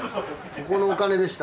ここのお金でした。